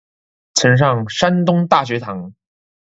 曾上山东大学堂。